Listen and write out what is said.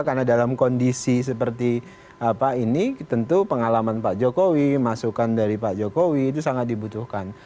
karena dalam kondisi seperti ini tentu pengalaman pak jokowi masukan dari pak jokowi itu sangat dibutuhkan